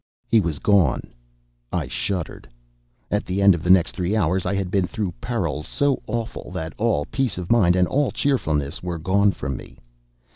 He was gone. I shuddered. At the end of the next three hours I had been through perils so awful that all peace of mind and all cheerfulness were gone from me.